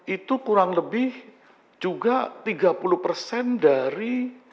itu kurang lebih juga tiga puluh persen dari